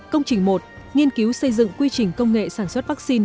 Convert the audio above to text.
công trình một nghiên cứu xây dựng quy trình công nghệ sản xuất vaccine